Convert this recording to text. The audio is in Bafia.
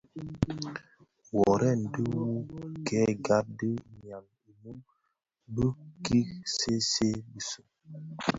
Wuoren dhi wuō kè gab dhi “nyam imum” bi ki see see bisi,